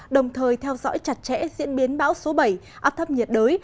đồng thời theo dõi chặt chẽ diễn biến bão số bảy áp thấp nhiệt đới